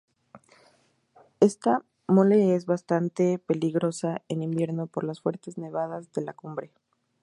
Esta mole es bastante peligrosa en invierno por las fuertes nevadas de la cumbre.